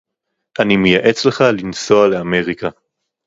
אני מייעץ לך לנסוע לאמריקה.